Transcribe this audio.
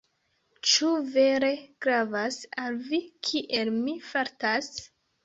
Ĉu vere gravas al vi kiel mi fartas?